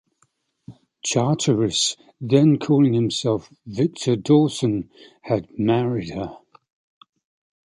Charteris, then calling himself Victor Dawson, had married her.